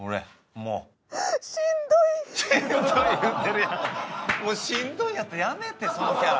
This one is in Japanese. もうしんどいんやったらやめえってそのキャラ。